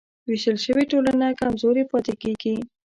وېشل شوې ټولنه کمزورې پاتې کېږي.